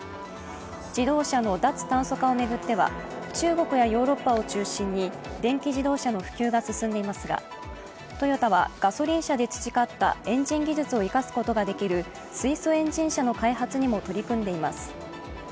自動車の脱炭素化を巡っては中国やヨーロッパを中心に電気自動車の普及が進んでいますがトヨタはガソリン車で培ったエンジン技術を生かすことができる水素エンジン車の開発にも取り組んでいます。